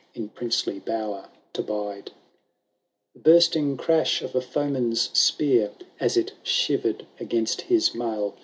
In princely bower to bide ; The bunting crash of a foeman^s spear, As it shiver'd against his mail.